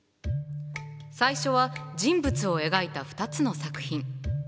最初は人物を描いた２つの作品。